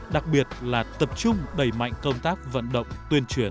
đặc biệt là tập trung đẩy mạnh công tác vận động tuyên truyền